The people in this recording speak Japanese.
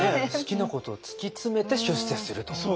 好きなことを突き詰めて出世すると？